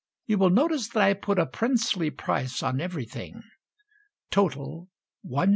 (You will notice that I put a princely price on everything), Total, 1s.